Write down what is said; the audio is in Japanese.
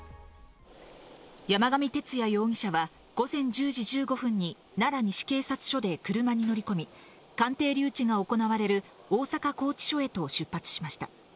山上徹也容疑者は午前１０時１５分に奈良西警察署で車に乗り込み、鑑定留置が行われる大阪拘置所へと出発しました。